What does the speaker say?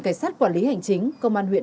cảnh sát quản lý hành chính công an huyện